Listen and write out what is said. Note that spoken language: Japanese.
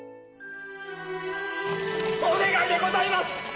お願いでございます！